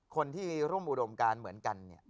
คนที่ร่วมอุดมการเหมือนกัน